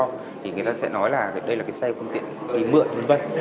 thì người ta sẽ nói là đây là cái xe phương tiện đi mượn v v